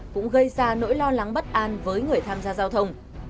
cũng gây ra nỗi lo lắng bất an với người tham gia giao thông